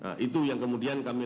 jadi itu tadi winby bawo